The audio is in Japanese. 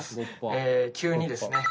急にですね